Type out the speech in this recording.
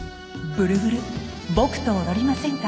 ブルブル僕と踊りませんか？